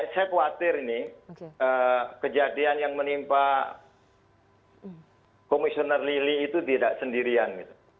saya khawatir ini kejadian yang menimpa komisioner lili itu tidak sendirian